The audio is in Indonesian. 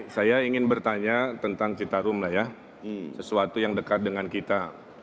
saya ingin bertanya tentang citarum lah ya sesuatu yang dekat dengan kita